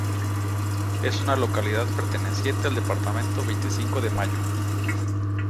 Es una localidad perteneciente al Departamento Veinticinco de Mayo.